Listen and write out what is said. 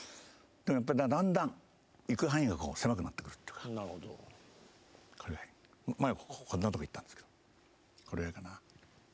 だんだん行く範囲が狭くなってくるっていうか前はこんなとこ行ったんですけどこれぐらいかな。